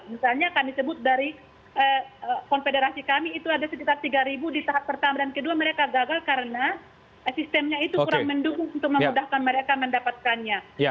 misalnya kami sebut dari konfederasi kami itu ada sekitar tiga di tahap pertama dan kedua mereka gagal karena sistemnya itu kurang mendukung untuk memudahkan mereka mendapatkannya